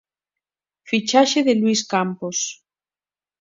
Fichaxe de Luís Campos.